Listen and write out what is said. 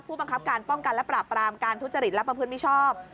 บังคับการป้องกันและปราบปรามการทุจริตและประพฤติมิชชอบ